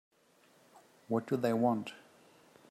What do they want?